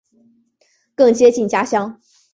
更接近家乡